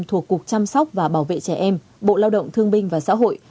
thuộc cục chăm sóc và bảo vệ trẻ em bộ lao động thương binh và xã hội